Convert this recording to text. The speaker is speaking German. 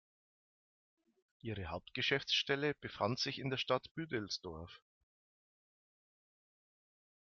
Ihre Hauptgeschäftsstelle befand sich in der Stadt Büdelsdorf.